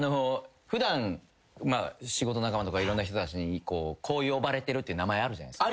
普段仕事仲間とかいろんな人たちにこう呼ばれてるって名前あるじゃないですか。